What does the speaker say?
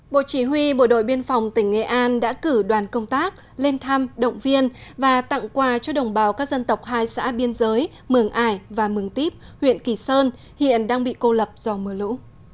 bộ chỉ huy bộ đội biên phòng tỉnh nghệ an đã cử đoàn công tác lên thăm động viên và tặng quà cho đồng bào các dân tộc hai xã biên giới mường ải và mừng tiếp huyện kỳ sơn hiện đang bị cô lập do mưa lũ